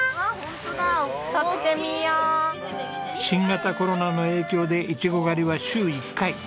新型コロナの影響でイチゴ狩りは週１回。